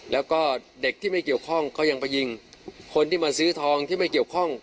แล้วก็เด็กที่ไม่เกี่ยวข้องก็ยังไปยิงคนที่มาซื้อทองที่ไม่เกี่ยวข้อง